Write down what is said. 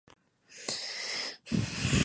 Ambos pisos están a la espera de definición formal.